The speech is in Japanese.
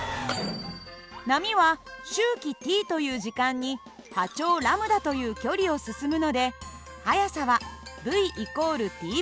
波は周期Ｔという時間に波長λという距離を進むので速さはυ＝。